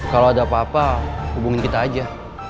kalau ada apa kalau pastor ulang kita aja